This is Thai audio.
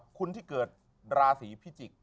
คุณที่เกิดลาสีพิจิก